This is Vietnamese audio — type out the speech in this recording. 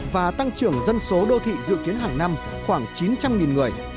và tăng trưởng dân số đô thị dự kiến hàng năm khoảng chín trăm linh người